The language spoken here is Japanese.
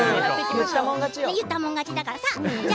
言ったもん勝ちだからさ。